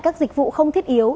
các dịch vụ không thiết yếu